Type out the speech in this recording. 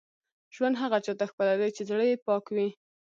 ژوند هغه چا ته ښکلی دی، چې زړه یې پاک وي.